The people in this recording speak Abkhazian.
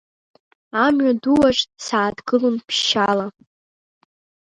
Амҩа ду аҿ сааҭгылалон ԥшьшьаала…